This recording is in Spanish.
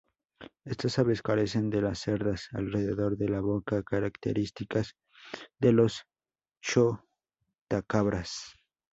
Estas aves carecen de las cerdas alrededor de la boca características de los chotacabras.